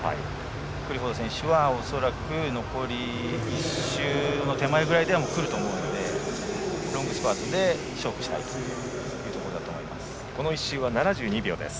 クリフォード選手は恐らく残り１周の手前ぐらいでくると思うのでロングスパートで勝負したいところだと思います。